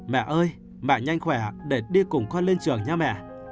mẹ ơi mẹ nhanh khỏe để đi cùng con lên trường nhà mẹ